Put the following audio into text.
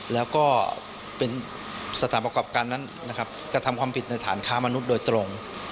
แล้วก็เป็นสถานประกอบการนั้นนะครับกระทำความผิดในฐานค้ามนุษย์โดยตรง